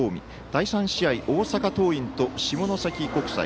第３試合、大阪桐蔭と下関国際。